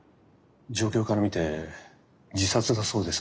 状況から見て自殺だそうです。